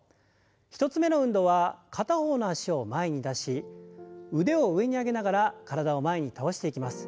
１つ目の運動は片方の脚を前に出し腕を上に上げながら体を前に倒していきます。